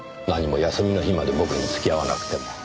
何も休みの日まで僕に付き合わなくても。